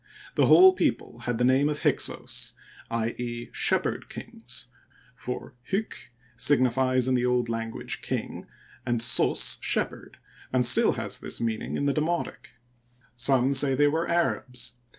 The whole people had the name of Hyksos — i. e., * shepherd kings,' for hyk signifies in the old language * king ' and SOS * shepherd,' and still has this meaning in the Demotic. Some say they were Arabs.